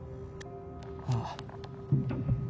ああ。